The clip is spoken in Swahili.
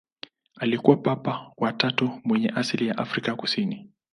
Alikuwa Papa wa tatu mwenye asili ya Afrika kaskazini.